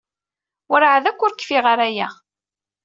Werɛad akk ur kfiɣ ara aya.